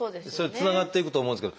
つながっていくと思うんですけど。